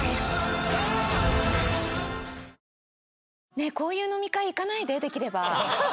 ねえこういう飲み会行かないでできれば。